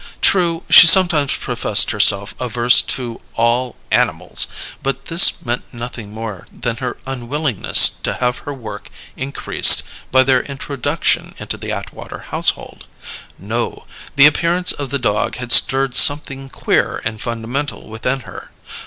True, she sometimes professed herself averse to all "animals," but this meant nothing more than her unwillingness to have her work increased by their introduction into the Atwater household. No; the appearance of the dog had stirred something queer and fundamental within her.